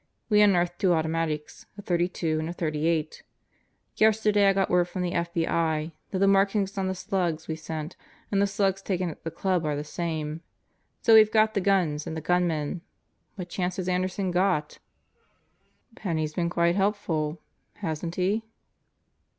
We unearthed two auto matics a .32 and a ,38, Yesterday I got word from the FBI's that the markings on the slugs we sent and the slugs taken at the Club are the same. So we've got the guns and the gunmen. What chance has Anderson got?" "Penney's been quite helpful, hasn't he?"